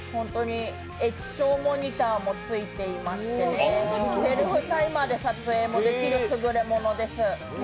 液晶モニターもついていましてセルフタイマーで撮影もできる優れモノです。